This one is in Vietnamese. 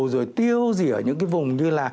rồi tiêu dỉ ở những cái vùng như là